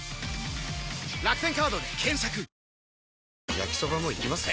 焼きソバもいきます？